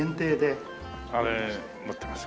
あれ持ってます。